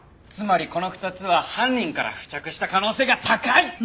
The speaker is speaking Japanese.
つまりこの２つは犯人から付着した可能性が高い！